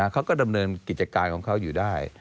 เขาก็ดำเนินกิจการของเขาอยู่ได้